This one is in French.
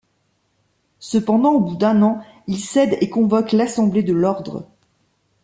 Cependant au bout d'un an il cède et convoque l'assemblée de l'Ordre.